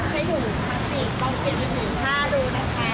แล้วก็ค่อยกิน